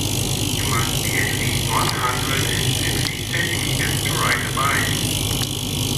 You must be at least one hundred and fifty centimeters to ride the bike.